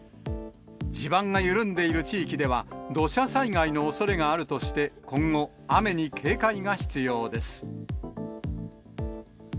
地盤が緩んでいる地域では、土砂災害のおそれがあるとして、今後、雨に警戒が必要です。